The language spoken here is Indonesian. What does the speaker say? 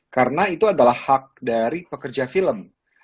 karena itu adalah hak dari pekerja film